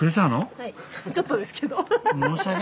はいちょっとですけど。